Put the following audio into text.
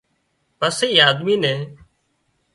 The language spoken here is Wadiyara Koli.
پسي اي آۮمي نين